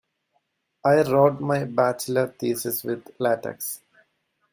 I wrote my bachelor thesis with latex.